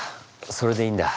それでいいんだ。